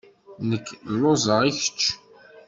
Nekk lluẓeɣ. I kečč?